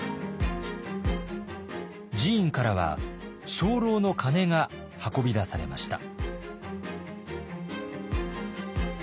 寺院からは鐘楼の鐘が運び出されました。